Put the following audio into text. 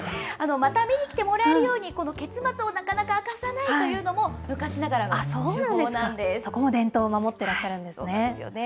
また見に来てもらえるように、この結末をなかなか明かさないというのも、昔ながらの手法なんでそこも伝統を守ってらっしゃそうなんですよね。